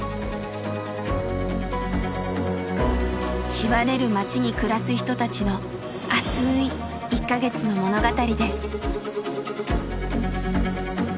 しばれる町に暮らす人たちの熱い１か月の物語です。